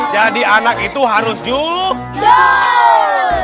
jadi anak itu harus jul